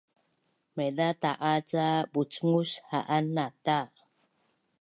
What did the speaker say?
Maiza ta’a ca bucngus ha’an nata